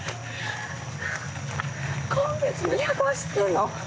今月２００走ってんの！？